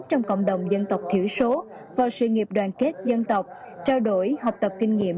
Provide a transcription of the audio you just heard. trong cộng đồng dân tộc thiểu số vào sự nghiệp đoàn kết dân tộc trao đổi học tập kinh nghiệm